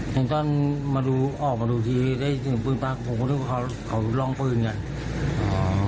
เห็นตอนมาดูออกมาดูทีได้เสียงปืนปลาก็คงคิดว่าเขาลองปืนอย่างนั้น